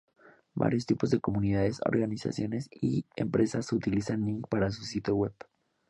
Varios tipos de comunidades, organizaciones y empresas utilizan Ning para su sitio web.